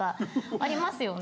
ありますよね？